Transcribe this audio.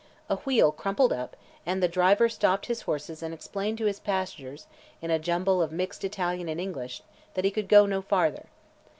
A wheel crumpled up and the driver stopped his horses and explained to his passengers in a jumble of mixed Italian and English that he could go no farther.